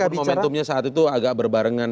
karena momentumnya saat itu agak berbarengan